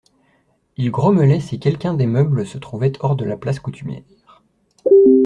Il grommelait si quelqu'un des meubles se trouvait hors de la place coutumière.